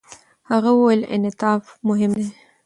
هغه وویل، انعطاف مهم دی.